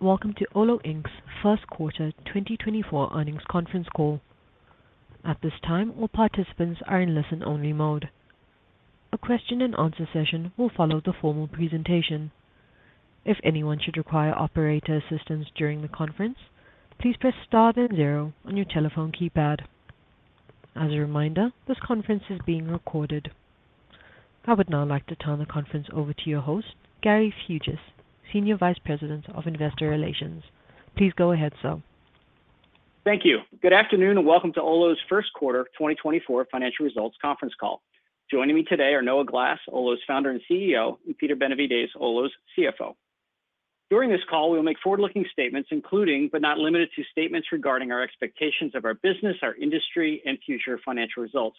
Welcome to Olo Inc.'s first quarter 2024 earnings conference call. At this time, all participants are in listen-only mode. A question and answer session will follow the formal presentation. If anyone should require operator assistance during the conference, please press star then zero on your telephone keypad. As a reminder, this conference is being recorded. I would now like to turn the conference over to your host, Gary Fuges, Senior Vice President of Investor Relations. Please go ahead, sir. Thank you. Good afternoon, and welcome to Olo's first quarter 2024 financial results conference call. Joining me today are Noah Glass, Olo's founder and CEO, and Peter Benevides, Olo's CFO. During this call, we will make forward-looking statements, including but not limited to statements regarding our expectations of our business, our industry, and future financial results.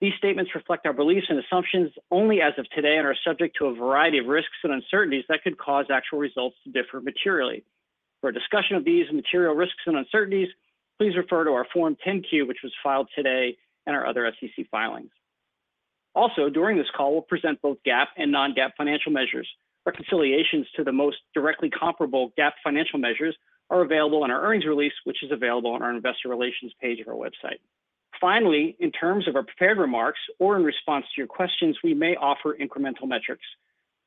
These statements reflect our beliefs and assumptions only as of today and are subject to a variety of risks and uncertainties that could cause actual results to differ materially. For a discussion of these material risks and uncertainties, please refer to our Form 10-Q, which was filed today, and our other SEC filings. Also, during this call, we'll present both GAAP and non-GAAP financial measures. Reconciliations to the most directly comparable GAAP financial measures are available on our earnings release, which is available on our investor relations page of our website. Finally, in terms of our prepared remarks or in response to your questions, we may offer incremental metrics.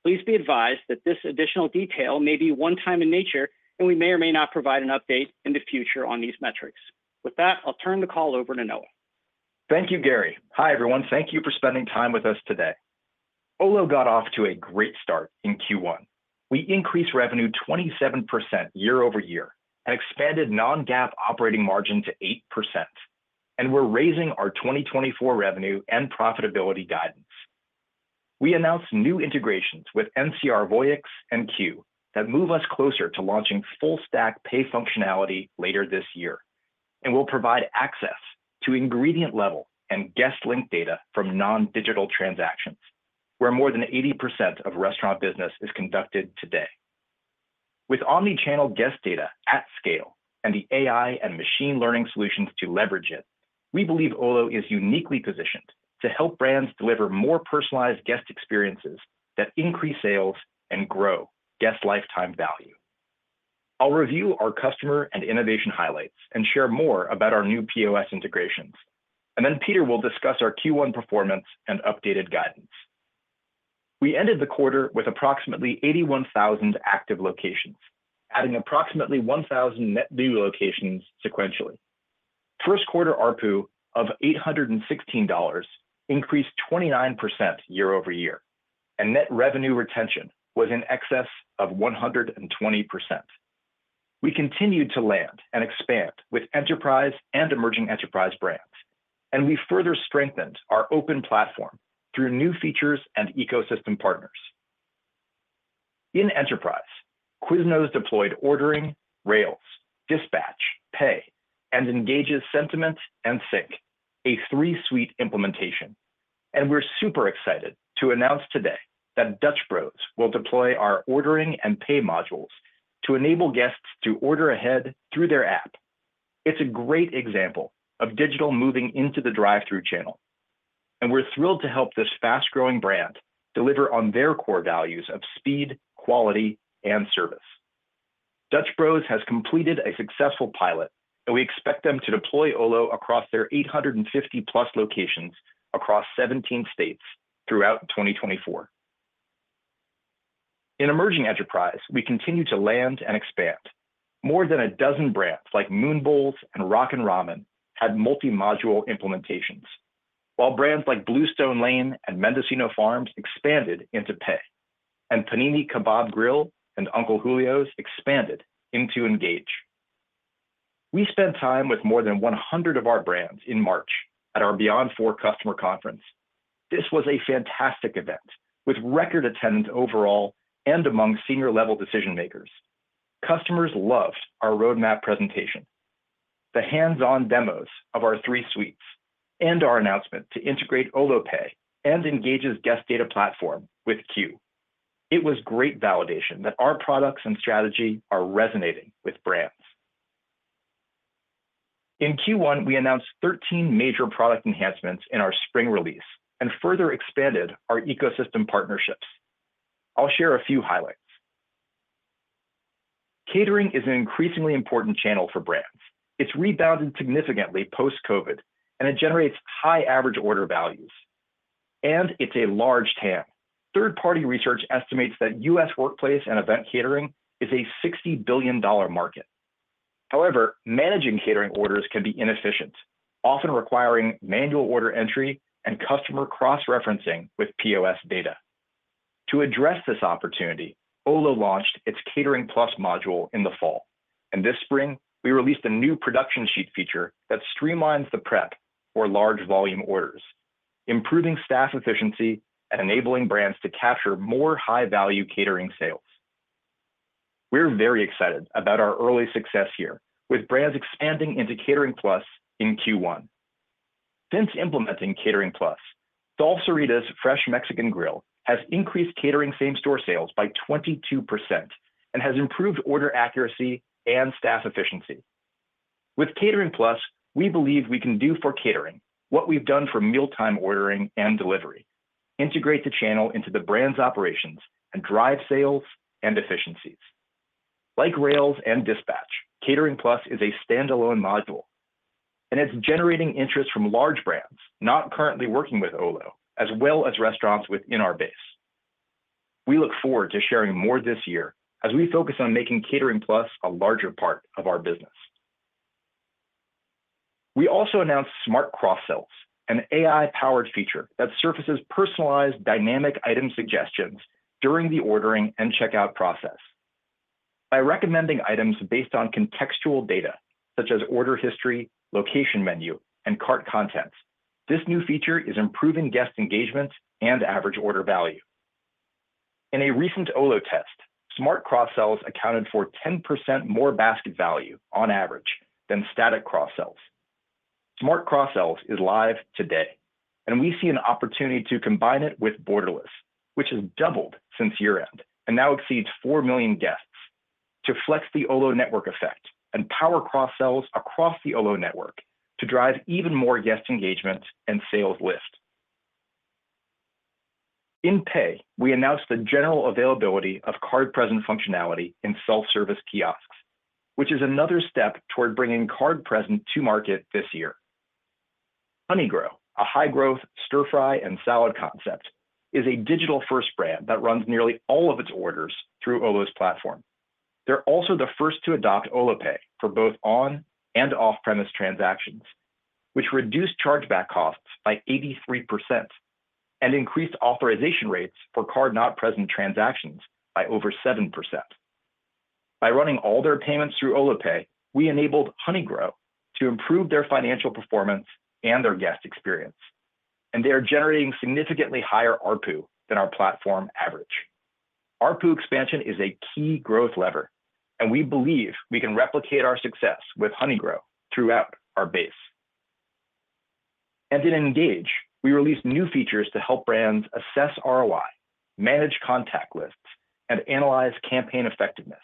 Please be advised that this additional detail may be one-time in nature, and we may or may not provide an update in the future on these metrics. With that, I'll turn the call over to Noah. Thank you, Gary. Hi, everyone. Thank you for spending time with us today. Olo got off to a great start in Q1. We increased revenue 27% year-over-year and expanded non-GAAP operating margin to 8%, and we're raising our 2024 revenue and profitability guidance. We announced new integrations with NCR Voyix and Qu that move us closer to launching full-stack pay functionality later this year and will provide access to ingredient-level and guest link data from non-digital transactions, where more than 80% of restaurant business is conducted today. With omni-channel guest data at scale and the AI and machine learning solutions to leverage it, we believe Olo is uniquely positioned to help brands deliver more personalized guest experiences that increase sales and grow guest lifetime value. I'll review our customer and innovation highlights and share more about our new POS integrations, and then Peter will discuss our Q1 performance and updated guidance. We ended the quarter with approximately 81,000 active locations, adding approximately 1,000 net new locations sequentially. First quarter ARPU of $816 increased 29% year-over-year, and net revenue retention was in excess of 120%. We continued to land and expand with enterprise and emerging enterprise brands, and we further strengthened our open platform through new features and ecosystem partners. In enterprise, Quiznos deployed Order, Rails, Dispatch, Pay, and Engage's Sentiment and Sync, a 3-suite implementation. We're super excited to announce today that Dutch Bros will deploy our Order and Pay modules to enable guests to order ahead through their app. It's a great example of digital moving into the drive-thru channel, and we're thrilled to help this fast-growing brand deliver on their core values of speed, quality, and service. Dutch Bros has completed a successful pilot, and we expect them to deploy Olo across their 850+ locations across 17 states throughout 2024. In emerging enterprise, we continue to land and expand. More than a dozen brands, like Moon Bowls and Rakkan Ramen, had multi-module implementations. While brands like Bluestone Lane and Mendocino Farms expanded into pay, and Panini Kabob Grill and Uncle Julio's expanded into Engage. We spent time with more than 100 of our brands in March at our Beyond Four customer conference. This was a fantastic event with record attendance overall and among senior-level decision-makers. Customers loved our roadmap presentation, the hands-on demos of our three suites, and our announcement to integrate Olo Pay and Engage's guest data platform with Q. It was great validation that our products and strategy are resonating with brands. In Q1, we announced 13 major product enhancements in our spring release and further expanded our ecosystem partnerships. I'll share a few highlights. Catering is an increasingly important channel for brands. It's rebounded significantly post-COVID, and it generates high average order values, and it's a large TAM. Third-party research estimates that US workplace and event catering is a $60 billion market. However, managing catering orders can be inefficient, often requiring manual order entry and customer cross-referencing with POS data. To address this opportunity, Olo launched its Catering+ module in the fall, and this spring, we released a new production sheet feature that streamlines the prep for large volume orders, improving staff efficiency and enabling brands to capture more high-value catering sales. We're very excited about our early success here with brands expanding into Catering+ in Q1. Since implementing Catering+, Salsarita's Fresh Mexican Grill has increased catering same-store sales by 22% and has improved order accuracy and staff efficiency. With Catering+, we believe we can do for catering what we've done for mealtime ordering and delivery, integrate the channel into the brand's operations, and drive sales and efficiencies. Like Rails and Dispatch, Catering+ is a standalone module, and it's generating interest from large brands not currently working with Olo, as well as restaurants within our base. We look forward to sharing more this year as we focus on making Catering+ a larger part of our business. We also announced Smart Cross-Sells, an AI-powered feature that surfaces personalized dynamic item suggestions during the ordering and checkout process. By recommending items based on contextual data, such as order history, location menu, and cart contents, this new feature is improving guest engagement and average order value. In a recent Olo test, Smart Cross-Sells accounted for 10% more basket value on average than static cross-sells. Smart Cross-Sells is live today, and we see an opportunity to combine it with Borderless, which has doubled since year-end and now exceeds 4 million guests, to flex the Olo network effect and power cross-sells across the Olo network to drive even more guest engagement and sales lift. In Pay, we announced the general availability of card-present functionality in self-service kiosks, which is another step toward bringing card present to market this year. Honeygrow, a high-growth stir-fry and salad concept, is a digital-first brand that runs nearly all of its orders through Olo's platform. They're also the first to adopt Olo Pay for both on and off-premise transactions, which reduced chargeback costs by 83% and increased authorization rates for card-not-present transactions by over 7%. By running all their payments through Olo Pay, we enabled Honeygrow to improve their financial performance and their guest experience, and they are generating significantly higher ARPU than our platform average. ARPU expansion is a key growth lever, and we believe we can replicate our success with Honeygrow throughout our base. In Engage, we released new features to help brands assess ROI, manage contact lists, and analyze campaign effectiveness.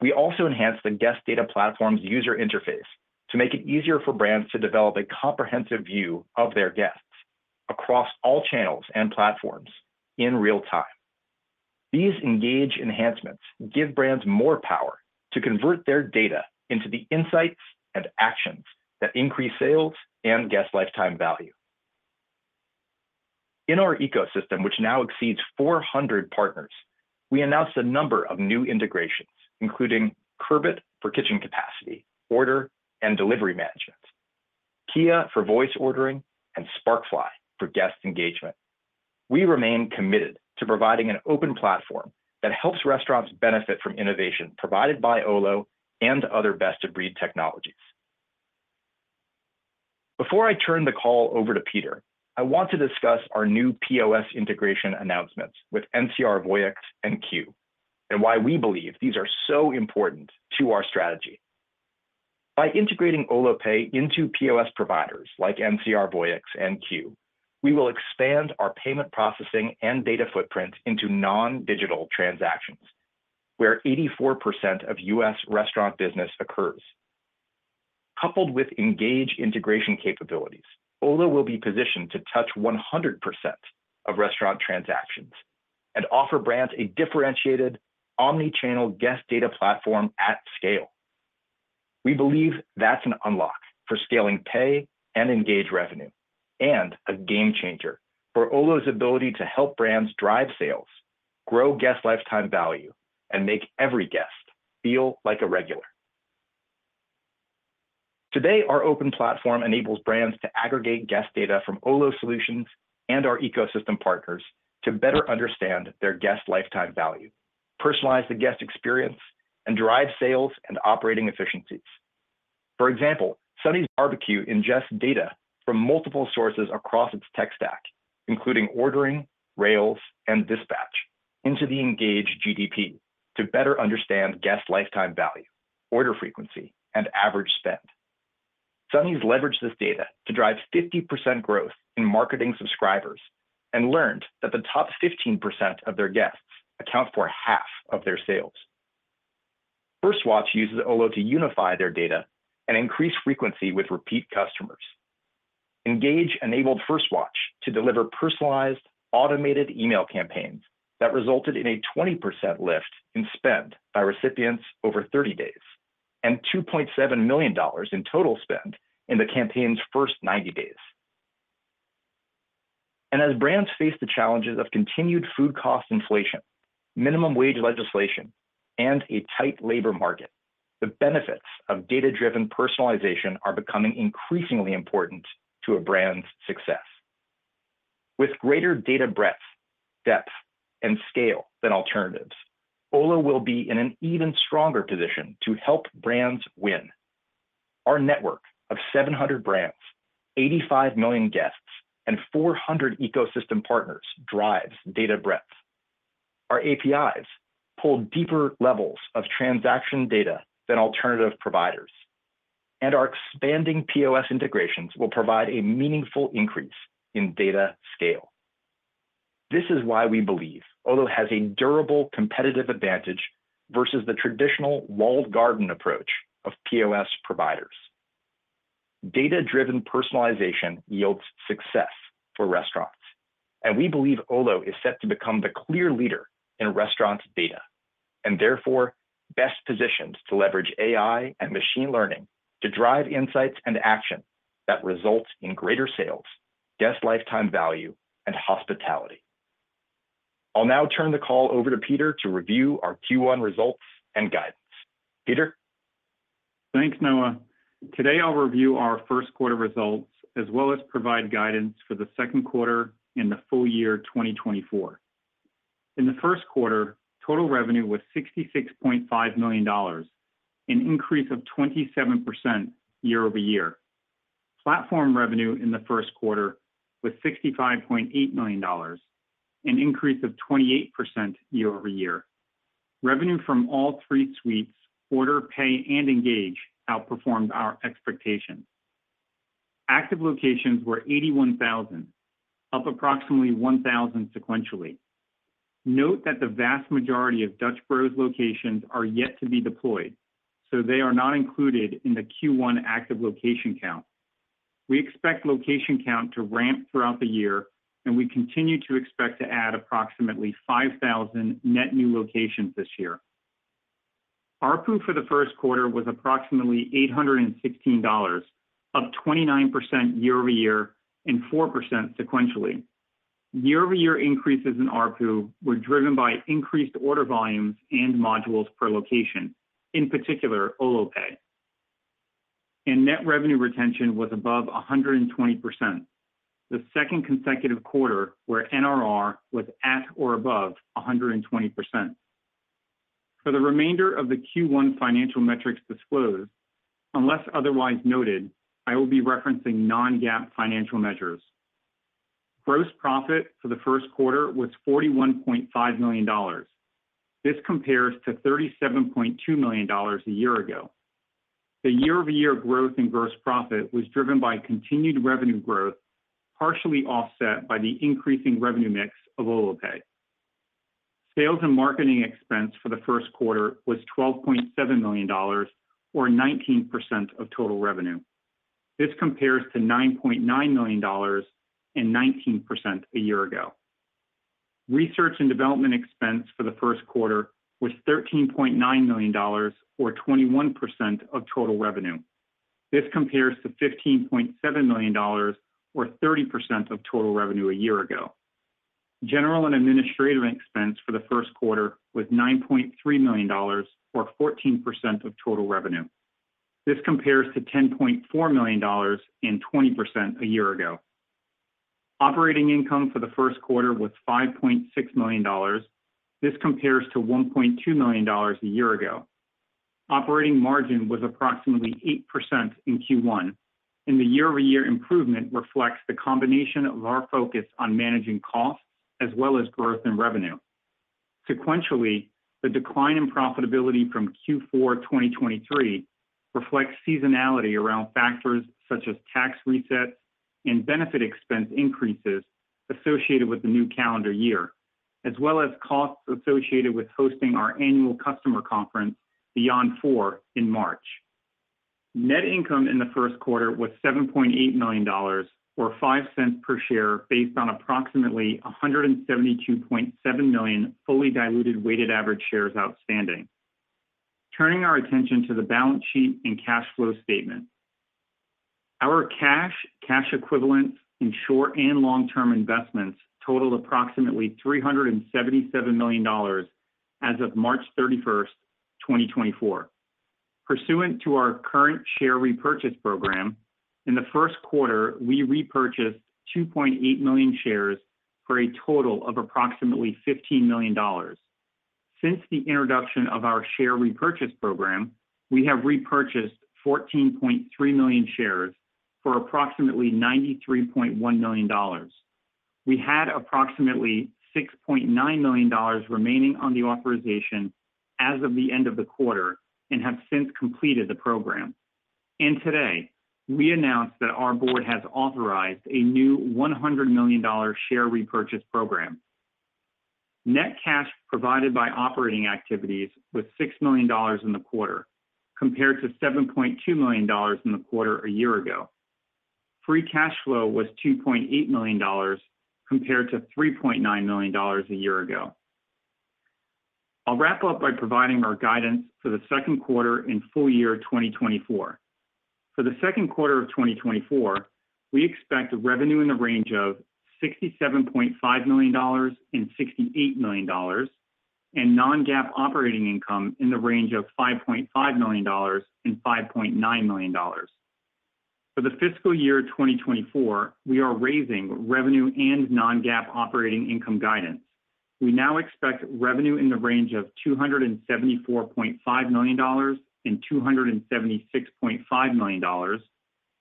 We also enhanced the guest data platform's user interface to make it easier for brands to develop a comprehensive view of their guests across all channels and platforms in real time. These Engage enhancements give brands more power to convert their data into the insights and actions that increase sales and guest lifetime value. In our ecosystem, which now exceeds 400 partners, we announced a number of new integrations, including Curbit for kitchen capacity, order, and delivery management, Kea for voice ordering, and Sparkfly for guest engagement. We remain committed to providing an open platform that helps restaurants benefit from innovation provided by Olo and other best-of-breed technologies. Before I turn the call over to Peter, I want to discuss our new POS integration announcements with NCR Voyix and Qu, and why we believe these are so important to our strategy. By integrating Olo Pay into POS providers like NCR Voyix and Qu, we will expand our payment processing and data footprint into non-digital transactions, where 84% of U.S. restaurant business occurs. Coupled with Engage integration capabilities, Olo will be positioned to touch 100% of restaurant transactions and offer brands a differentiated, omni-channel guest data platform at scale. We believe that's an unlock for scaling Pay and Engage revenue and a game changer for Olo's ability to help brands drive sales, grow guest lifetime value, and make every guest feel like a regular. Today, our open platform enables brands to aggregate guest data from Olo Solutions and our ecosystem partners to better understand their guest lifetime value, personalize the guest experience, and drive sales and operating efficiencies. For example, Sonny's BBQ ingests data from multiple sources across its tech stack, including ordering, Rails, and Dispatch, into the Engage GDP to better understand guest lifetime value, order frequency, and average spend. Sonny's leveraged this data to drive 50% growth in marketing subscribers and learned that the top 15% of their guests account for half of their sales. First Watch uses Olo to unify their data and increase frequency with repeat customers. Engage enabled First Watch to deliver personalized, automated email campaigns that resulted in a 20% lift in spend by recipients over 30 days and $2.7 million in total spend in the campaign's first 90 days. As brands face the challenges of continued food cost inflation, minimum wage legislation, and a tight labor market, the benefits of data-driven personalization are becoming increasingly important to a brand's success. With greater data breadth, depth, and scale than alternatives, Olo will be in an even stronger position to help brands win. Our network of 700 brands, 85 million guests, and 400 ecosystem partners drives data breadth. Our APIs pull deeper levels of transaction data than alternative providers, and our expanding POS integrations will provide a meaningful increase in data scale. This is why we believe Olo has a durable competitive advantage versus the traditional walled garden approach of POS providers. Data-driven personalization yields success for restaurants, and we believe Olo is set to become the clear leader in restaurant data, and therefore best positioned to leverage AI and machine learning to drive insights and action that results in greater sales, guest lifetime value, and hospitality. I'll now turn the call over to Peter to review our Q1 results and guidance. Peter? Thanks, Noah. Today, I'll review our first quarter results, as well as provide guidance for the second quarter and the full year 2024. In the first quarter, total revenue was $66.5 million, an increase of 27% year-over-year. Platform revenue in the first quarter was $65.8 million, an increase of 28% year-over-year. Revenue from all three suites, Order, Pay, and Engage, outperformed our expectations. Active locations were 81,000, up approximately 1,000 sequentially. Note that the vast majority of Dutch Bros locations are yet to be deployed, so they are not included in the Q1 active location count. We expect location count to ramp throughout the year, and we continue to expect to add approximately 5,000 net new locations this year. ARPU for the first quarter was approximately $816, up 29% year-over-year and 4% sequentially. Year-over-year increases in ARPU were driven by increased order volumes and modules per location, in particular, Olo Pay. Net revenue retention was above 120%, the second consecutive quarter where NRR was at or above 120%. For the remainder of the Q1 financial metrics disclosed, unless otherwise noted, I will be referencing non-GAAP financial measures. Gross profit for the first quarter was $41.5 million. This compares to $37.2 million a year ago. The year-over-year growth in gross profit was driven by continued revenue growth, partially offset by the increasing revenue mix of Olo Pay. Sales and marketing expense for the first quarter was $12.7 million, or 19% of total revenue. This compares to $9.9 million and 19% a year ago. Research and development expense for the first quarter was $13.9 million, or 21% of total revenue. This compares to $15.7 million, or 30% of total revenue a year ago. General and administrative expense for the first quarter was $9.3 million, or 14% of total revenue. This compares to $10.4 million and 20% a year ago. Operating income for the first quarter was $5.6 million. This compares to $1.2 million a year ago. Operating margin was approximately 8% in Q1, and the year-over-year improvement reflects the combination of our focus on managing costs as well as growth in revenue. Sequentially, the decline in profitability from Q4 2023 reflects seasonality around factors such as tax resets and benefit expense increases associated with the new calendar year, as well as costs associated with hosting our annual customer conference, Beyond Four, in March. Net income in the first quarter was $7.8 million, or $0.05 per share, based on approximately 172.7 million fully diluted weighted average shares outstanding. Turning our attention to the balance sheet and cash flow statement. Our cash, cash equivalents, and short and long-term investments totaled approximately $377 million as of March 31, 2024. Pursuant to our current share repurchase program, in the first quarter, we repurchased 2.8 million shares for a total of approximately $15 million. Since the introduction of our share repurchase program, we have repurchased 14.3 million shares for approximately $93.1 million. We had approximately $6.9 million remaining on the authorization as of the end of the quarter and have since completed the program. Today, we announced that our board has authorized a new $100 million share repurchase program. Net cash provided by operating activities was $6 million in the quarter, compared to $7.2 million in the quarter a year ago. Free cash flow was $2.8 million, compared to $3.9 million a year ago. I'll wrap up by providing our guidance for the second quarter and full year 2024. For the second quarter of 2024, we expect revenue in the range of $67.5 million-$68 million, and non-GAAP operating income in the range of $5.5 million-$5.9 million. For the fiscal year 2024, we are raising revenue and non-GAAP operating income guidance. We now expect revenue in the range of $274.5 million-$276.5 million,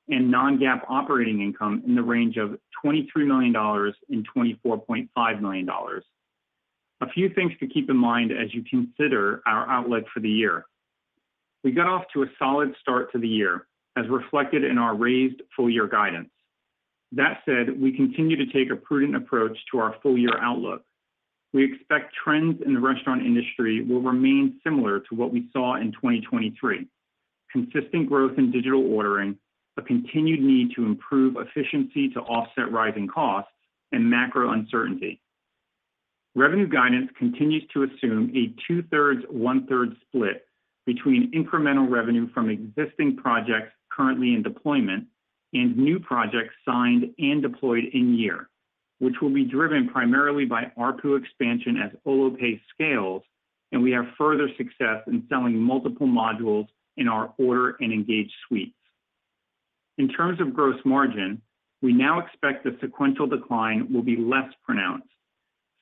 and non-GAAP operating income in the range of $23 million-$24.5 million. A few things to keep in mind as you consider our outlook for the year. We got off to a solid start to the year, as reflected in our raised full year guidance. That said, we continue to take a prudent approach to our full year outlook. We expect trends in the restaurant industry will remain similar to what we saw in 2023. Consistent growth in digital ordering, a continued need to improve efficiency to offset rising costs, and macro uncertainty. Revenue guidance continues to assume a two-thirds, one-third split between incremental revenue from existing projects currently in deployment and new projects signed and deployed in year, which will be driven primarily by ARPU expansion as Olo Pay scales, and we have further success in selling multiple modules in our Order and Engage suites. In terms of gross margin, we now expect the sequential decline will be less pronounced.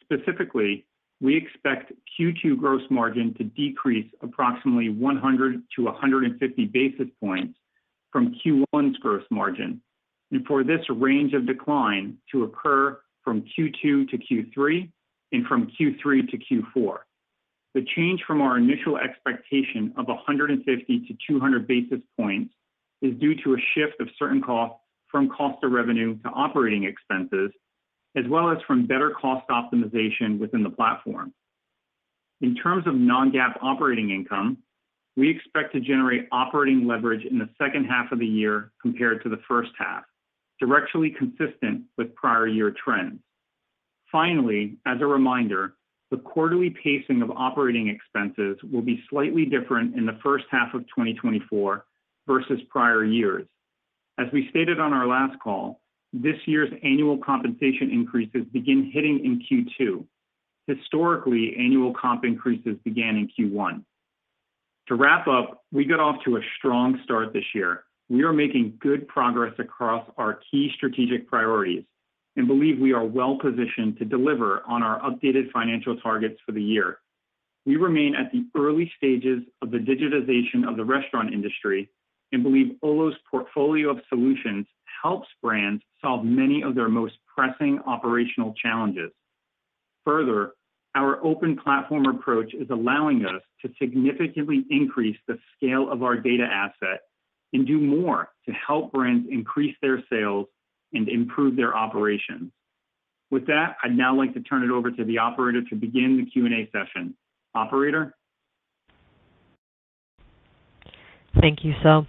Specifically, we expect Q2 gross margin to decrease approximately 100-150 basis points from Q1's gross margin, and for this range of decline to occur from Q2 to Q3 and from Q3 to Q4. The change from our initial expectation of 150 to 200 basis points is due to a shift of certain costs from cost of revenue to operating expenses, as well as from better cost optimization within the platform. In terms of non-GAAP operating income, we expect to generate operating leverage in the second half of the year compared to the first half, directly consistent with prior year trends. Finally, as a reminder, the quarterly pacing of operating expenses will be slightly different in the first half of 2024 versus prior years. As we stated on our last call, this year's annual compensation increases begin hitting in Q2. Historically, annual comp increases began in Q1. To wrap up, we got off to a strong start this year. We are making good progress across our key strategic priorities and believe we are well positioned to deliver on our updated financial targets for the year. We remain at the early stages of the digitization of the restaurant industry and believe Olo's portfolio of solutions helps brands solve many of their most pressing operational challenges. Further, our open platform approach is allowing us to significantly increase the scale of our data asset and do more to help brands increase their sales and improve their operations. With that, I'd now like to turn it over to the operator to begin the Q&A session. Operator? Thank you, sir.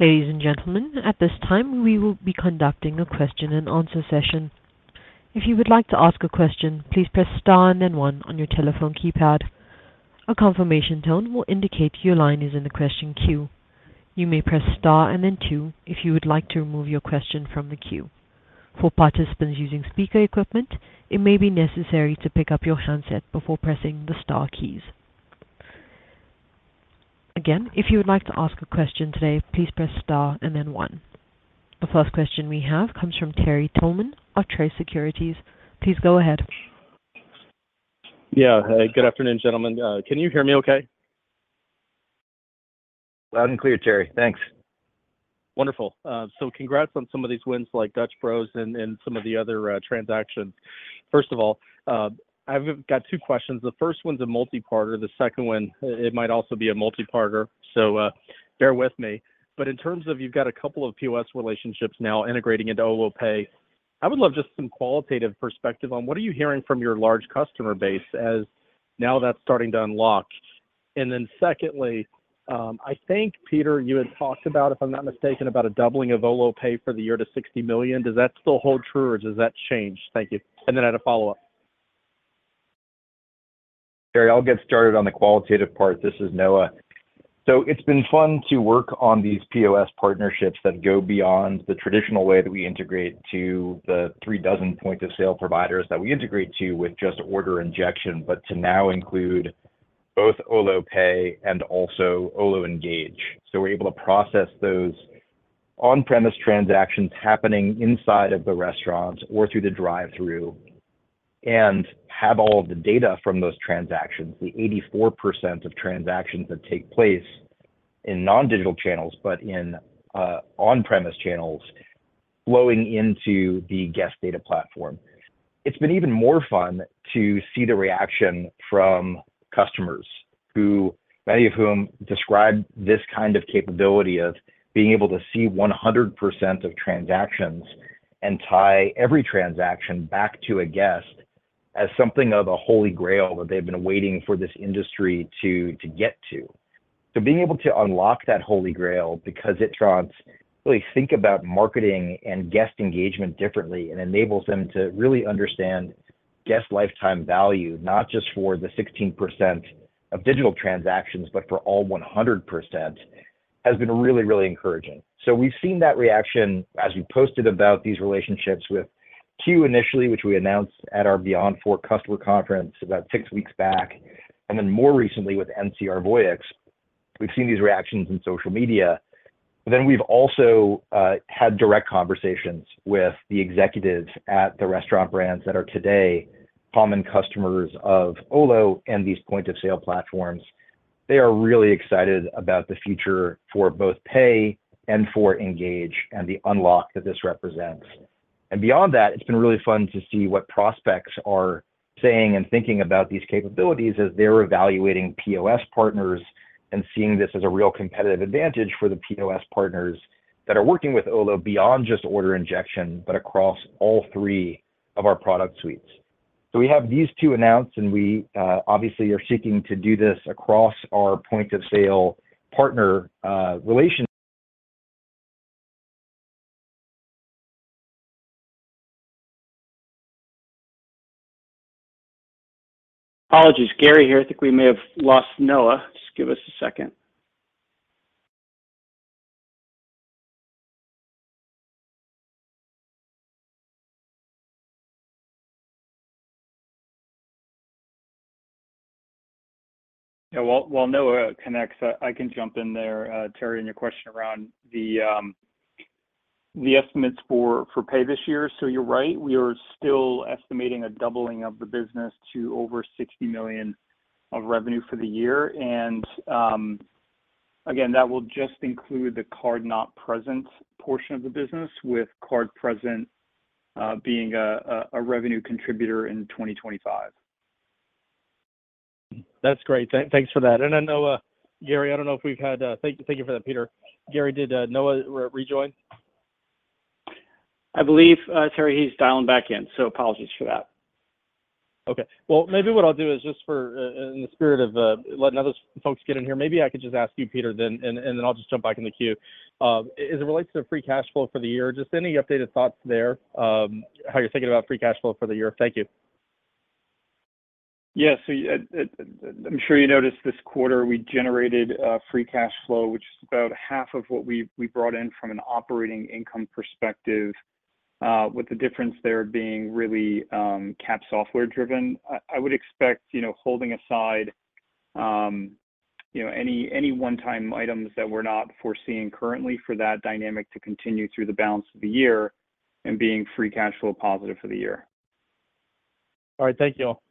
Ladies and gentlemen, at this time, we will be conducting a question-and-answer session. If you would like to ask a question, please press Star and then one on your telephone keypad. A confirmation tone will indicate your line is in the question queue. You may press Star and then two if you would like to remove your question from the queue. For participants using speaker equipment, it may be necessary to pick up your handset before pressing the star keys. Again, if you would like to ask a question today, please press Star and then one. The first question we have comes from Terry Tillman of Truist Securities. Please go ahead. Yeah. Hey, good afternoon, gentlemen. Can you hear me okay? Loud and clear, Terry. Thanks. Wonderful. So congrats on some of these wins like Dutch Bros and some of the other transactions. First of all, I've got two questions. The first one is a multi-parter, the second one, it might also be a multi-parter, so bear with me. But in terms of you've got a couple of POS relationships now integrating into Olo Pay, I would love just some qualitative perspective on what are you hearing from your large customer base as now that's starting to unlock? And then secondly, I think, Peter, you had talked about, if I'm not mistaken, about a doubling of Olo Pay for the year to $60 million. Does that still hold true, or does that change? Thank you. And then I had a follow-up. Terry, I'll get started on the qualitative part. This is Noah. So it's been fun to work on these POS partnerships that go beyond the traditional way that we integrate to the 36 point-of-sale providers that we integrate to with just order injection, but to now include both Olo Pay and also Olo Engage. So we're able to process those on-premise transactions happening inside of the restaurants or through the drive-thru, and have all of the data from those transactions, the 84% of transactions that take place in non-digital channels, but in on-premise channels, flowing into the guest data platform. It's been even more fun to see the reaction from customers, who, many of whom describe this kind of capability of being able to see 100% of transactions and tie every transaction back to a guest as something of a Holy Grail that they've been waiting for this industry to, to get to. So being able to unlock that Holy Grail because it allows, really think about marketing and guest engagement differently, and enables them to really understand guest lifetime value, not just for the 16% of digital transactions, but for all 100%, has been really, really encouraging. So we've seen that reaction as we posted about these relationships with Qu initially, which we announced at our Beyond Four customer conference about six weeks back, and then more recently with NCR Voyix. We've seen these reactions in social media, but then we've also had direct conversations with the executives at the restaurant brands that are today common customers of Olo and these point-of-sale platforms. They are really excited about the future for both Pay and for Engage and the unlock that this represents. And beyond that, it's been really fun to see what prospects are saying and thinking about these capabilities as they're evaluating POS partners and seeing this as a real competitive advantage for the POS partners that are working with Olo beyond just order injection, but across all three of our product suites. So we have these two announced, and we obviously are seeking to do this across our point-of-sale partner, relation- Apologies. Gary here. I think we may have lost Noah. Just give us a second. Yeah, while Noah connects, I can jump in there, Terry, in your question around the estimates for Pay this year. So you're right, we are still estimating a doubling of the business to over $60 million of revenue for the year. And, again, that will just include the card-not-present portion of the business, with card present being a revenue contributor in 2025. That's great. Thanks for that. And then, Noah... Gary, I don't know if we've had. Thank you for that, Peter. Gary, did Noah rejoin? I believe, Terry, he's dialing back in, so apologies for that. Okay. Well, maybe what I'll do is just for, in the spirit of letting other folks get in here, maybe I could just ask you, Peter, then, and then I'll just jump back in the queue. As it relates to the free cash flow for the year, just any updated thoughts there, how you're thinking about free cash flow for the year? Thank you. Yeah, so yeah, I'm sure you noticed this quarter, we generated free cash flow, which is about half of what we brought in from an operating income perspective, with the difference there being really CapEx-driven. I would expect, you know, holding aside any one-time items that we're not foreseeing currently, for that dynamic to continue through the balance of the year and being free cash flow positive for the year. All right. Thank you all.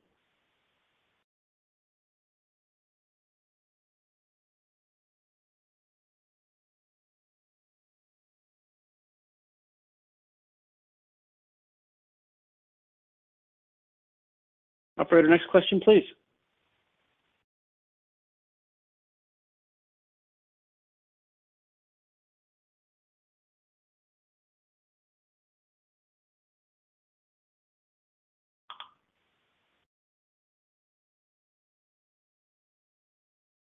Operator, next question, please.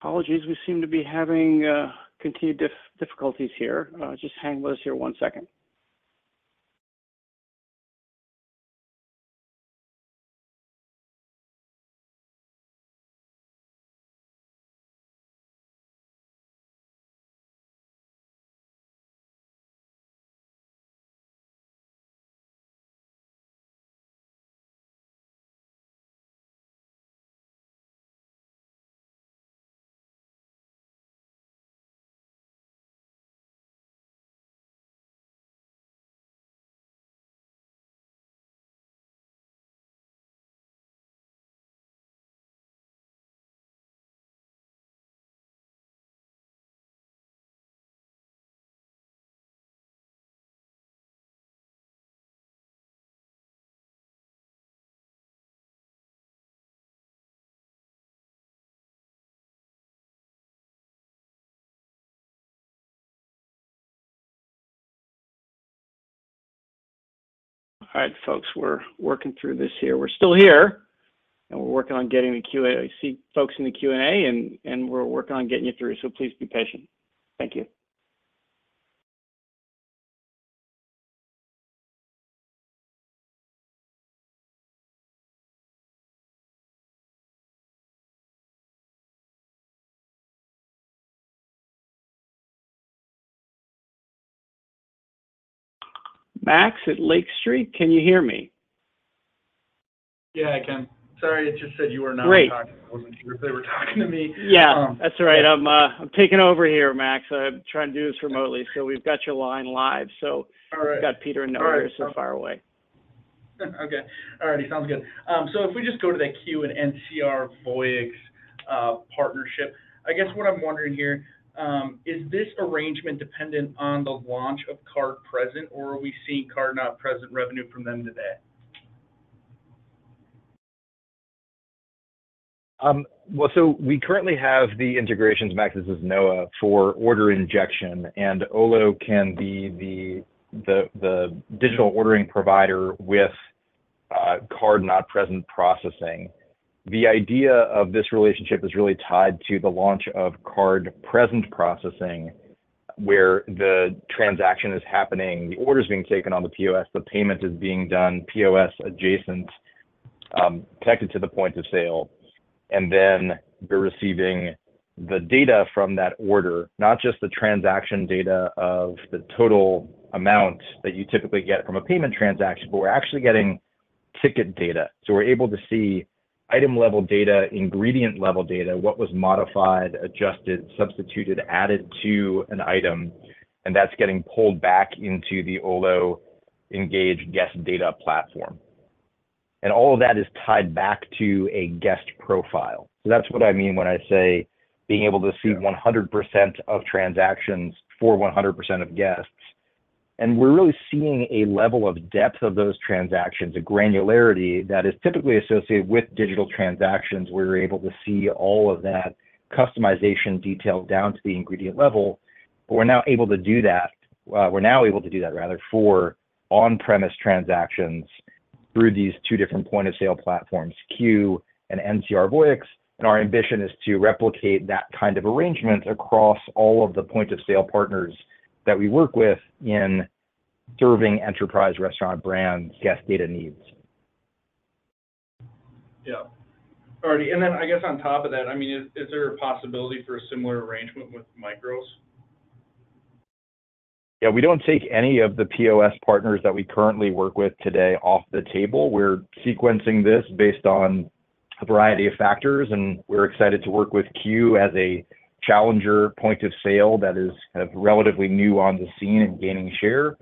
Apologies. We seem to be having continued difficulties here. Just hang with us here one second. All right, folks, we're working through this here. We're still here, and we're working on getting the QA... I see folks in the Q&A, and we're working on getting you through, so please be patient. Thank you. Max at Lake Street, can you hear me? Yeah, I can. Sorry, it just said you were not talking. Great. I wasn't sure if they were talking to me. Yeah, that's all right. I'm taking over here, Max. I'm trying to do this remotely, so we've got your line live, so- All right. We've got Peter and Noah are so far away. Okay. All right, sounds good. So if we just go to the Qu and NCR Voyix partnership, I guess what I'm wondering here, is this arrangement dependent on the launch of card-present, or are we seeing card-not-present revenue from them today? Well, so we currently have the integrations, Max. This is Noah, for order injection, and Olo can be the digital ordering provider with card-not-present processing. The idea of this relationship is really tied to the launch of card-present processing, where the transaction is happening, the order is being taken on the POS, the payment is being done POS adjacent, connected to the point of sale, and then we're receiving the data from that order, not just the transaction data of the total amount that you typically get from a payment transaction, but we're actually getting ticket data. So we're able to see item-level data, ingredient-level data, what was modified, adjusted, substituted, added to an item, and that's getting pulled back into the Olo Engage guest data platform... and all of that is tied back to a guest profile. That's what I mean when I say being able to see- Yeah 100% of transactions for 100% of guests. We're really seeing a level of depth of those transactions, a granularity that is typically associated with digital transactions, where we're able to see all of that customization detail down to the ingredient level. But we're now able to do that. We're now able to do that rather for on-premise transactions through these two different point-of-sale platforms, Qu and NCR Voyix. Our ambition is to replicate that kind of arrangement across all of the point-of-sale partners that we work with in serving enterprise restaurant brands' guest data needs. Yeah. All righty, and then I guess on top of that, I mean, is, is there a possibility for a similar arrangement with Micros? Yeah, we don't take any of the POS partners that we currently work with today off the table. We're sequencing this based on a variety of factors, and we're excited to work with Qu as a challenger point-of-sale that is kind of relatively new on the scene and gaining share,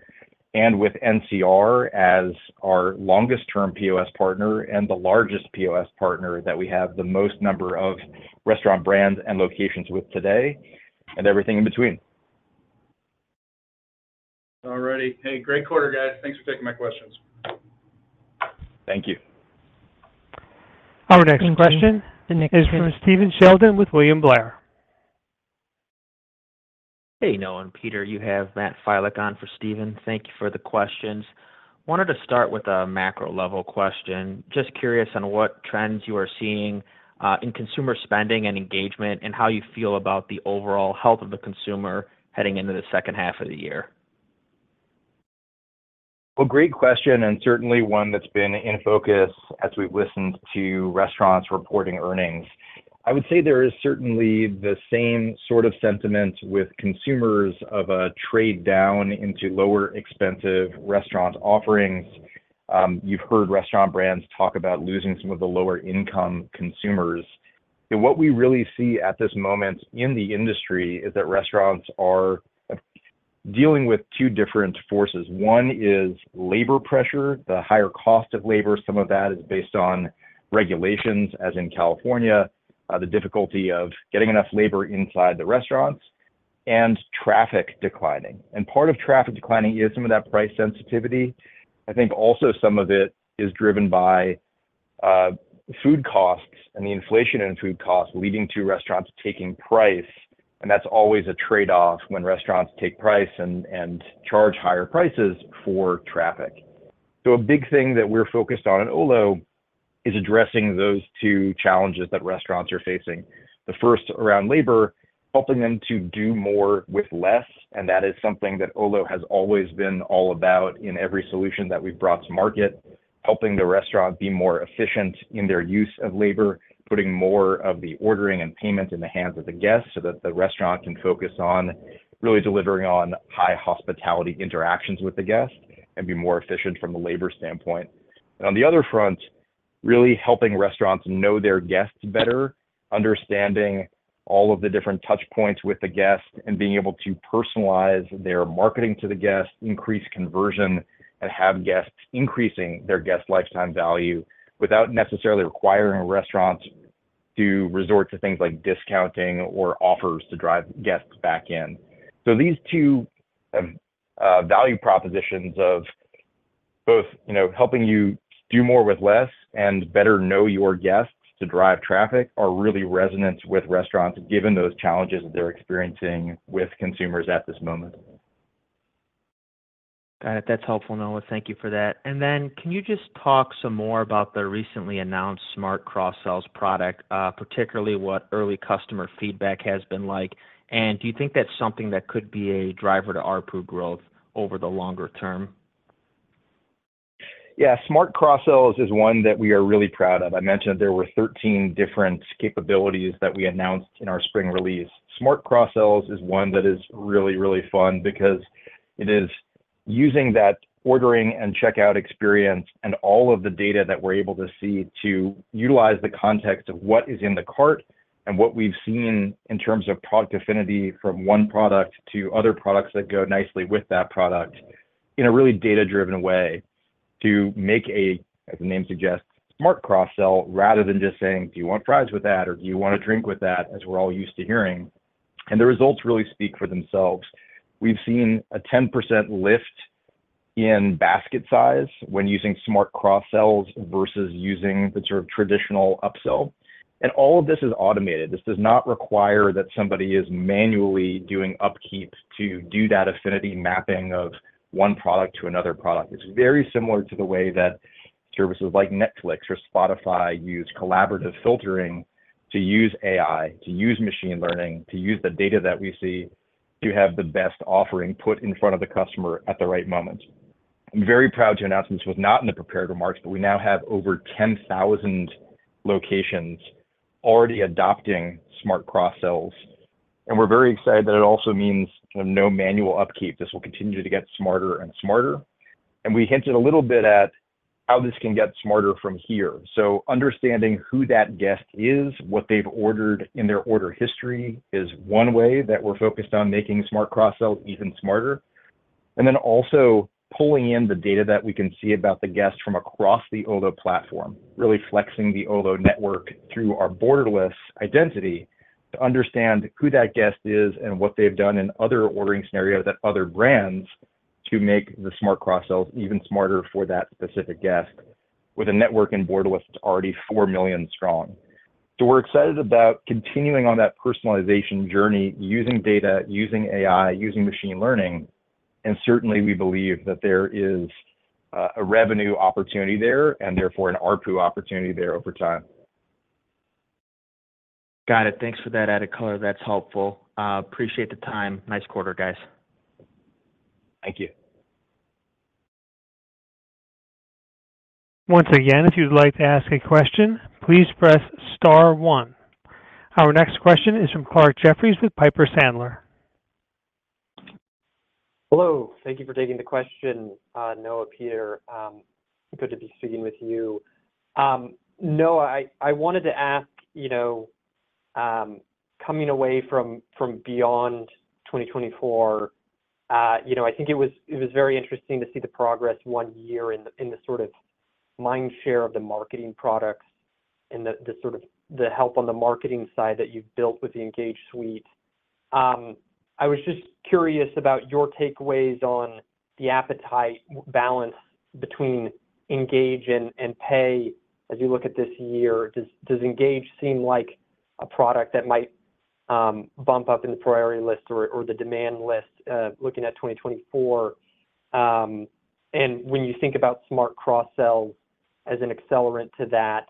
and with NCR as our longest term POS partner and the largest POS partner, that we have the most number of restaurant brands and locations with today, and everything in between. All righty. Hey, great quarter, guys. Thanks for taking my questions. Thank you. Our next question- The next- - is from Stephen Sheldon with William Blair. Hey, Noah and Peter. You have Matt Filak on for Steven. Thank you for the questions. Wanted to start with a macro-level question. Just curious on what trends you are seeing in consumer spending and engagement, and how you feel about the overall health of the consumer heading into the second half of the year. Well, great question, and certainly one that's been in focus as we've listened to restaurants reporting earnings. I would say there is certainly the same sort of sentiment with consumers of a trade down into lower expensive restaurant offerings. You've heard restaurant brands talk about losing some of the lower income consumers. What we really see at this moment in the industry is that restaurants are dealing with two different forces. One is labor pressure, the higher cost of labor, some of that is based on regulations, as in California, the difficulty of getting enough labor inside the restaurants, and traffic declining. Part of traffic declining is some of that price sensitivity. I think also some of it is driven by food costs and the inflation in food costs leading to restaurants taking price, and that's always a trade-off when restaurants take price and charge higher prices for traffic. So a big thing that we're focused on at Olo is addressing those two challenges that restaurants are facing. The first, around labor, helping them to do more with less, and that is something that Olo has always been all about in every solution that we've brought to market. Helping the restaurant be more efficient in their use of labor, putting more of the ordering and payment in the hands of the guest, so that the restaurant can focus on really delivering on high hospitality interactions with the guest, and be more efficient from a labor standpoint. And on the other front, really helping restaurants know their guests better, understanding all of the different touch points with the guest, and being able to personalize their marketing to the guest, increase conversion, and have guests increasing their guest lifetime value, without necessarily requiring restaurants to resort to things like discounting or offers to drive guests back in. So these two, value propositions of both, you know, helping you do more with less and better know your guests to drive traffic are really resonant with restaurants, given those challenges that they're experiencing with consumers at this moment. Got it. That's helpful, Noah. Thank you for that. Then, can you just talk some more about the recently announced Smart Cross-Sells product, particularly what early customer feedback has been like? Do you think that's something that could be a driver to ARPU growth over the longer term? Yeah. Smart Cross-Sells is one that we are really proud of. I mentioned that there were 13 different capabilities that we announced in our spring release. Smart Cross-Sells is one that is really, really fun, because it is using that ordering and checkout experience and all of the data that we're able to see to utilize the context of what is in the cart and what we've seen in terms of product affinity from one product to other products that go nicely with that product in a really data-driven way, to make a, as the name suggests, smart cross-sell, rather than just saying, "Do you want fries with that?" Or, "Do you want a drink with that?" As we're all used to hearing, and the results really speak for themselves. We've seen a 10% lift in basket size when using Smart Cross-Sells versus using the sort of traditional upsell, and all of this is automated. This does not require that somebody is manually doing upkeep to do that affinity mapping of one product to another product. It's very similar to the way that services like Netflix or Spotify use collaborative filtering to use AI, to use machine learning, to use the data that we see to have the best offering put in front of the customer at the right moment. I'm very proud to announce, and this was not in the prepared remarks, but we now have over 10,000 locations already adopting Smart Cross-Sells, and we're very excited that it also means kind of no manual upkeep. This will continue to get smarter and smarter. And we hinted a little bit at how this can get smarter from here. So understanding who that guest is, what they've ordered in their order history is one way that we're focused on making Smart Cross-Sells even smarter. And then also pulling in the data that we can see about the guest from across the Olo platform, really flexing the Olo network through our Borderless identity to understand who that guest is and what they've done in other ordering scenarios at other brands to make the Smart Cross-Sells even smarter for that specific guest, with a network in Borderless that's already 4 million strong. So we're excited about continuing on that personalization journey, using data, using AI, using machine learning, and certainly we believe that there is a revenue opportunity there, and therefore an ARPU opportunity there over time. Got it. Thanks for that added color. That's helpful. Appreciate the time. Nice quarter, guys. Thank you. Once again, if you'd like to ask a question, please press star one. Our next question is from Clarke Jefferies with Piper Sandler. Hello, thank you for taking the question. Noah, Peter, good to be speaking with you. Noah, I wanted to ask, you know, coming away from Beyond 2024, you know, I think it was very interesting to see the progress one year in the sort of mind share of the marketing products and the sort of the help on the marketing side that you've built with the Engage suite. I was just curious about your takeaways on the appetite balance between Engage and Pay as you look at this year. Does Engage seem like a product that might bump up in the priority list or the demand list, looking at 2024? And when you think about Smart Cross-Sells as an accelerant to that,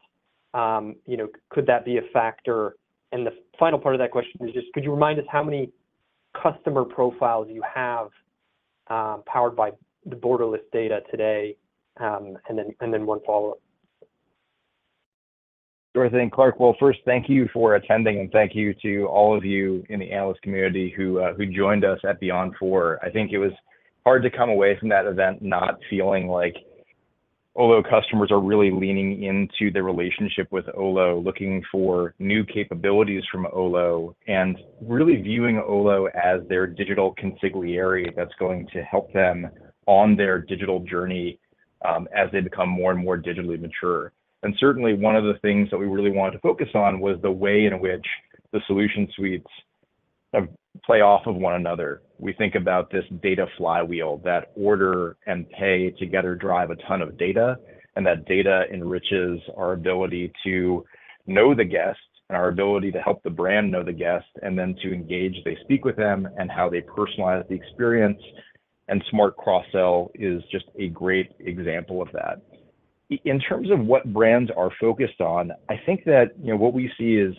you know, could that be a factor? And the final part of that question is just could you remind us how many customer profiles you have, powered by the Borderless data today? And then, and then one follow-up. Sure thing, Clark. Well, first, thank you for attending, and thank you to all of you in the analyst community who joined us at Beyond Four. I think it was hard to come away from that event not feeling like Olo customers are really leaning into their relationship with Olo, looking for new capabilities from Olo, and really viewing Olo as their digital consigliere that's going to help them on their digital journey, as they become more and more digitally mature. And certainly one of the things that we really wanted to focus on was the way in which the solution suites play off of one another. We think about this data flywheel, that Order and pay together drive a ton of data, and that data enriches our ability to know the guest and our ability to help the brand know the guest, and then to engage, they speak with them and how they personalize the experience, and Smart Cross-Sells is just a great example of that. In terms of what brands are focused on, I think that, you know, what we see is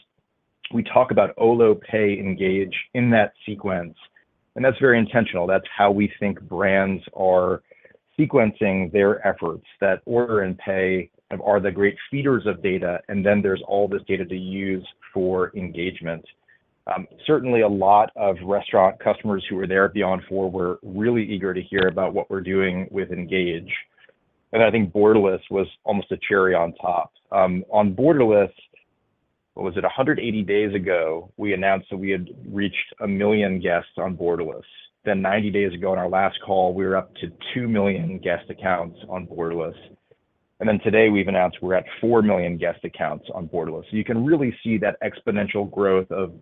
we talk about Olo Pay, Engage in that sequence, and that's very intentional. That's how we think brands are sequencing their efforts, that Order and pay are the great feeders of data, and then there's all this data to use for engagement. Certainly a lot of restaurant customers who were there at Beyond Four were really eager to hear about what we're doing with Engage, and I think Borderless was almost a cherry on top. On Borderless, what was it? 180 days ago, we announced that we had reached 1 million guests on Borderless. Then 90 days ago, on our last call, we were up to 2 million guest accounts on Borderless. And then today we've announced we're at 4 million guest accounts on Borderless. So you can really see that exponential growth of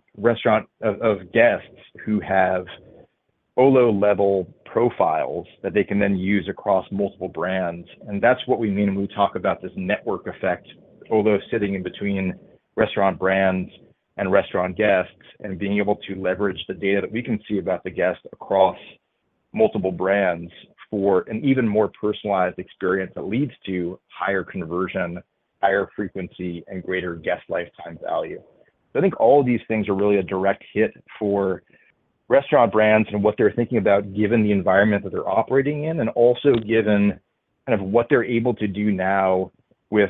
guests who have Olo-level profiles that they can then use across multiple brands. That's what we mean when we talk about this network effect, Olo sitting in between restaurant brands and restaurant guests, and being able to leverage the data that we can see about the guest across multiple brands for an even more personalized experience that leads to higher conversion, higher frequency, and greater guest lifetime value. I think all of these things are really a direct hit for restaurant brands and what they're thinking about, given the environment that they're operating in, and also given kind of what they're able to do now with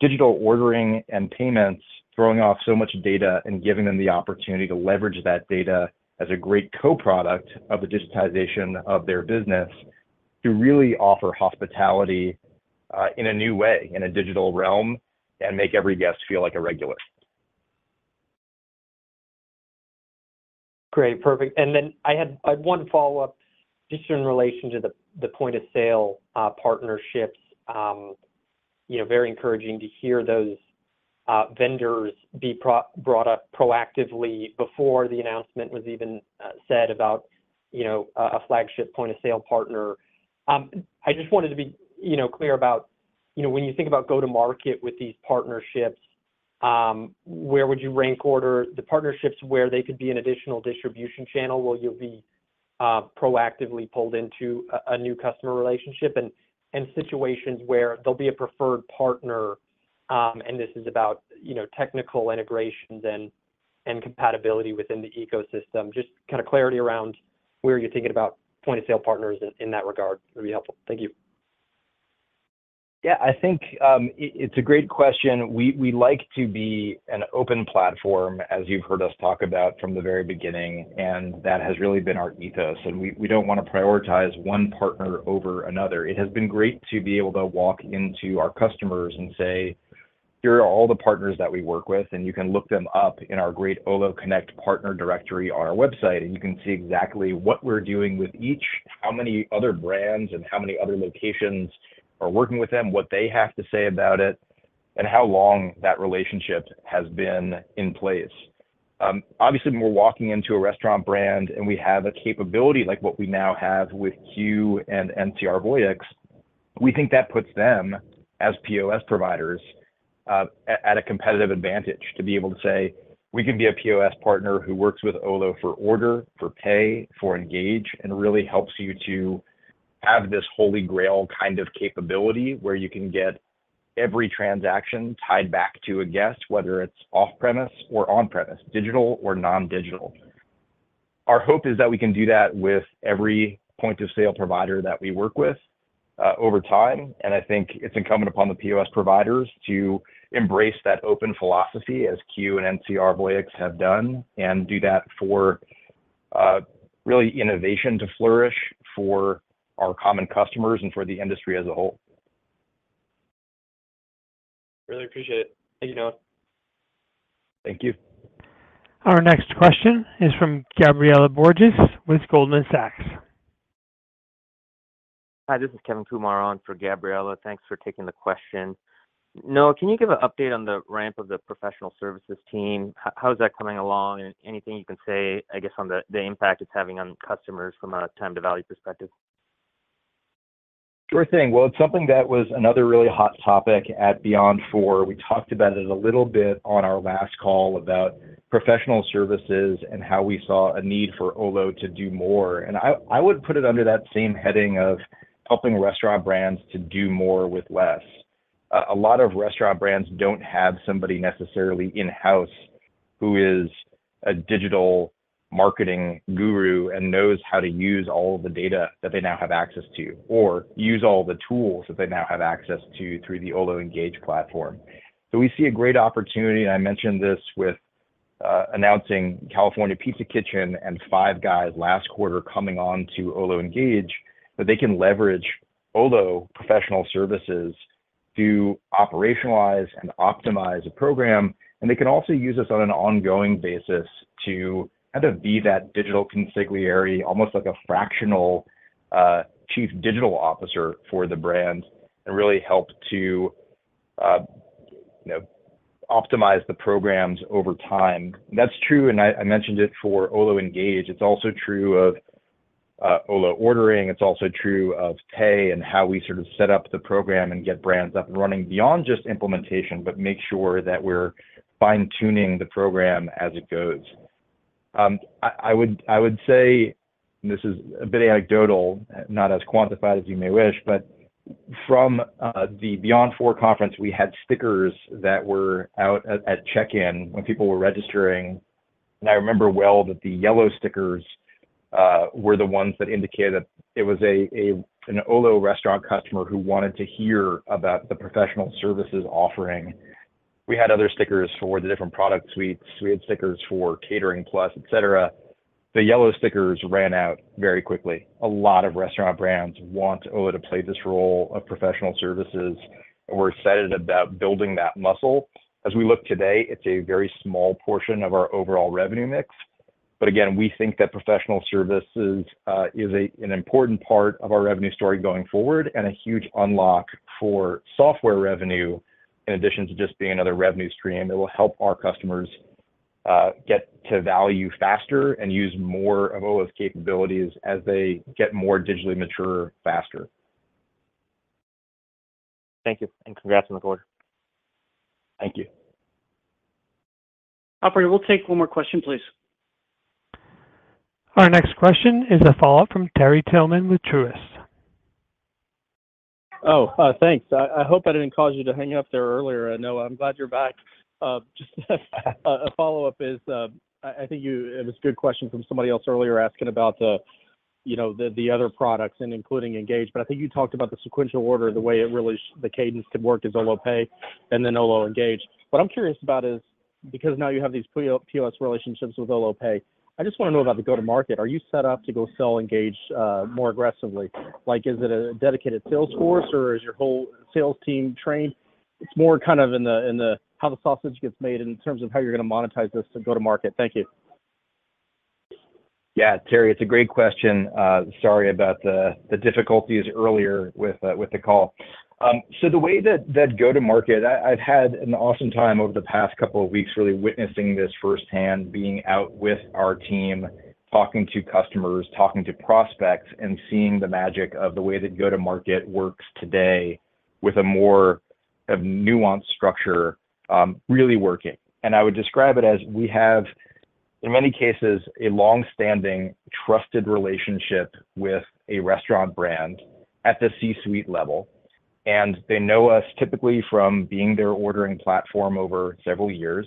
digital ordering and payments, throwing off so much data and giving them the opportunity to leverage that data as a great co-product of the digitization of their business to really offer hospitality, in a new way, in a digital realm, and make every guest feel like a regular. Great. Perfect. And then I had one follow-up just in relation to the point of sale partnerships. You know, very encouraging to hear those vendors be proactively brought up before the announcement was even said about, you know, a flagship point of sale partner. I just wanted to be, you know, clear about, you know, when you think about go-to-market with these partnerships, where would you rank order the partnerships where they could be an additional distribution channel, where you'll be proactively pulled into a new customer relationship, and situations where there'll be a preferred partner, and this is about, you know, technical integrations and compatibility within the ecosystem. Just kind of clarity around where you're thinking about point-of-sale partners in that regard would be helpful. Thank you. Yeah, I think it's a great question. We like to be an open platform, as you've heard us talk about from the very beginning, and that has really been our ethos, and we don't want to prioritize one partner over another. It has been great to be able to walk into our customers and say, "Here are all the partners that we work with, and you can look them up in our great Olo Connect partner directory on our website, and you can see exactly what we're doing with each, how many other brands and how many other locations are working with them, what they have to say about it, and how long that relationship has been in place. Obviously, when we're walking into a restaurant brand and we have a capability like what we now have with Qu and NCR Voyix, we think that puts them as POS providers at a competitive advantage to be able to say, "We can be a POS partner who works with Olo for Order, for Pay, for Engage," and really helps you to have this holy grail kind of capability, where you can get every transaction tied back to a guest, whether it's off-premise or on-premise, digital or non-digital. Our hope is that we can do that with every point of sale provider that we work with, over time, and I think it's incumbent upon the POS providers to embrace that open philosophy as Qu and NCR Voyix have done, and do that for, really innovation to flourish for our common customers and for the industry as a whole. Really appreciate it. Thank you, Noah. Thank you. Our next question is from Gabriela Borges with Goldman Sachs. Hi, this is Kevin Kumar on for Gabriela. Thanks for taking the question. Noah, can you give an update on the ramp of the professional services team? How is that coming along, and anything you can say, I guess, on the impact it's having on customers from a time to value perspective? Sure thing. Well, it's something that was another really hot topic at Beyond Four. We talked about it a little bit on our last call about professional services and how we saw a need for Olo to do more, and I would put it under that same heading of helping restaurant brands to do more with less. A lot of restaurant brands don't have somebody necessarily in-house who is a digital marketing guru and knows how to use all of the data that they now have access to, or use all the tools that they now have access to through the Olo Engage platform. So we see a great opportunity, and I mentioned this with announcing California Pizza Kitchen and Five Guys last quarter coming on to Olo Engage, that they can leverage Olo professional services to operationalize and optimize a program, and they can also use us on an ongoing basis to kind of be that digital consigliere, almost like a fractional chief digital officer for the brand and really help to you know, optimize the programs over time. That's true, and I mentioned it for Olo Engage. It's also true of Olo Ordering. It's also true of Pay and how we sort of set up the program and get brands up and running beyond just implementation, but make sure that we're fine-tuning the program as it goes. I would say, and this is a bit anecdotal, not as quantified as you may wish, but from the Beyond Four conference, we had stickers that were out at check-in when people were registering, and I remember well that the yellow stickers were the ones that indicated that it was an Olo restaurant customer who wanted to hear about the professional services offering. We had other stickers for the different product suites. We had stickers for Catering Plus, et cetera. The yellow stickers ran out very quickly. A lot of restaurant brands want Olo to play this role of professional services, and we're excited about building that muscle. As we look today, it's a very small portion of our overall revenue mix, but again, we think that professional services is an important part of our revenue story going forward and a huge unlock for software revenue, in addition to just being another revenue stream that will help our customers get to value faster and use more of Olo's capabilities as they get more digitally mature faster. Thank you, and congrats on the quarter. Thank you. Operator, we'll take one more question, please. Our next question is a follow-up from Terry Tillman with Truist. Oh, thanks. I hope I didn't cause you to hang up there earlier, Noah. I'm glad you're back. Just a follow-up is, I think you... It was a good question from somebody else earlier asking about the, you know, the other products and including Engage, but I think you talked about the sequential order, the way it really the cadence had worked as Olo Pay and then Olo Engage. What I'm curious about is, because now you have these POS relationships with Olo Pay, I just want to know about the go-to-market. Are you set up to go sell Engage more aggressively? Like, is it a dedicated sales force, or is your whole sales team trained? It's more kind of in the, in the how the sausage gets made in terms of how you're going to monetize this to go to market. Thank you. Yeah, Terry, it's a great question. Sorry about the difficulties earlier with the call. So the way that go-to-market... I've had an awesome time over the past couple of weeks really witnessing this firsthand, being out with our team, talking to customers, talking to prospects, and seeing the magic of the way that go-to-market works today with a more of nuanced structure, really working. I would describe it as we have, in many cases, a long-standing, trusted relationship with a restaurant brand at the C-suite level, and they know us typically from being their ordering platform over several years.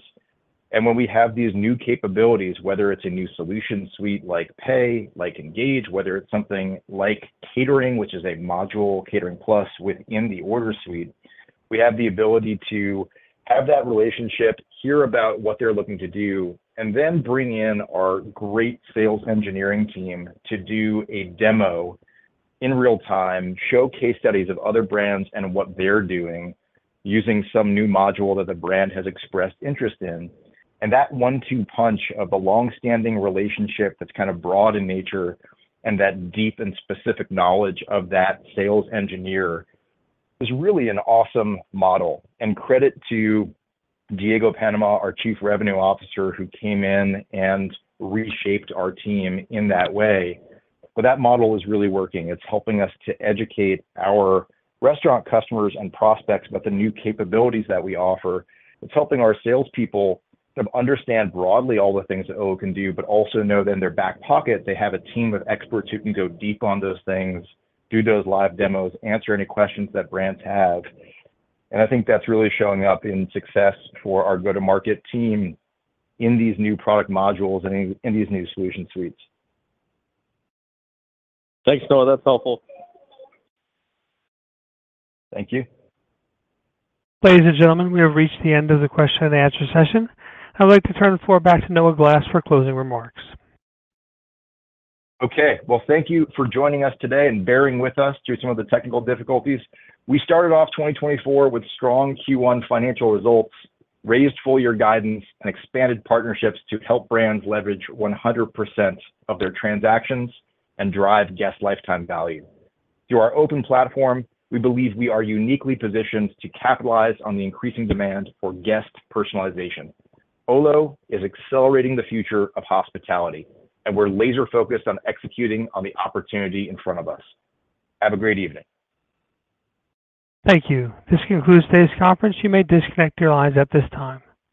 And when we have these new capabilities, whether it's a new solution suite like Pay, like Engage, whether it's something like Catering, which is a module, Catering Plus, within the Order suite, we have the ability to have that relationship, hear about what they're looking to do, and then bring in our great sales engineering team to do a demo... in real time, show case studies of other brands and what they're doing using some new module that the brand has expressed interest in. And that one-two punch of the long-standing relationship that's kind of broad in nature and that deep and specific knowledge of that sales engineer is really an awesome model. And credit to Diego Panama, our Chief Revenue Officer, who came in and reshaped our team in that way. But that model is really working. It's helping us to educate our restaurant customers and prospects about the new capabilities that we offer. It's helping our salespeople to understand broadly all the things that Olo can do, but also know that in their back pocket, they have a team of experts who can go deep on those things, do those live demos, answer any questions that brands have. I think that's really showing up in success for our go-to-market team in these new product modules and in, in these new solution suites. Thanks, Noah. That's helpful. Thank you. Ladies and gentlemen, we have reached the end of the question and answer session. I'd like to turn the floor back to Noah Glass for closing remarks. Okay. Well, thank you for joining us today and bearing with us through some of the technical difficulties. We started off 2024 with strong Q1 financial results, raised full year guidance, and expanded partnerships to help brands leverage 100% of their transactions and drive guest lifetime value. Through our open platform, we believe we are uniquely positioned to capitalize on the increasing demand for guest personalization. Olo is accelerating the future of hospitality, and we're laser-focused on executing on the opportunity in front of us. Have a great evening. Thank you. This concludes today's conference. You may disconnect your lines at this time.